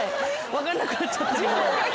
分かんなくなっちゃって。